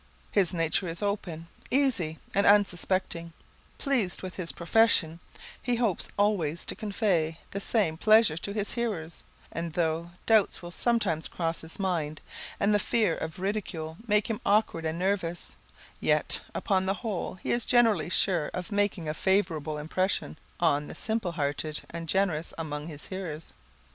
His nature is open, easy, and unsuspecting; pleased with his profession, he hopes always to convey the same pleasure to his hearers; and though doubts will sometimes cross his mind, and the fear of ridicule make him awkward and nervous, yet, upon the whole, he is generally sure of making a favourable impression on the simple hearted and generous among his hearers.